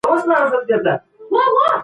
که یو څوک داسي ميلمستیا ته وبلل سو.